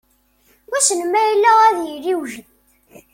Wissen ma yella ad d-yili wejdid.